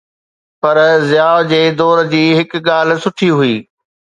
پر ضياءَ دور جي هڪ ڳالهه سٺي هئي.